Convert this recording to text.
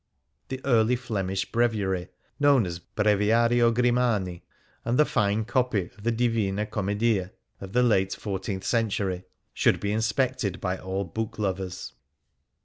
The Early Flemish bi eviary, known as " Breviario Grimani "" and the fine copy of the '• Divina Commedia " of the late fourteenth centuiy, should be inspected by all book lovers.